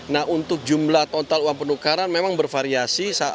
nah untuk jumlah total uang penukaran memang bervariasi